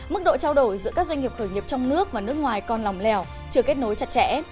mức độ trao đổi giữa các doanh nghiệp khởi nghiệp trong nước và nước ngoài còn lòng lèo chưa kết nối chặt chẽ